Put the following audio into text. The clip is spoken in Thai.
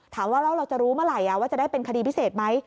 ถามว่าแล้วเราจะรู้เมื่อไหร่ว่าจะได้เป็นคดีพิเศษไหม